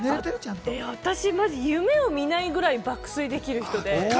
私、マジ、夢を見ないぐらい爆睡できる人なんで。